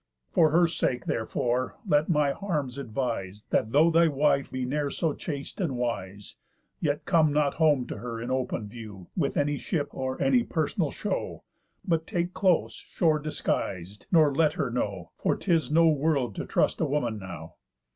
For her sake therefore let my harms advise, That though thy wife be ne'er so chaste and wise, Yet come not home to her in open view, With any ship or any personal show, But take close shore disguis'd, nor let her know, For 'tis no world to trust a woman now.